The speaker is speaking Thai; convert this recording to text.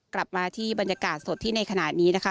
กลับมาที่บรรยากาศสดที่ในขณะนี้นะคะ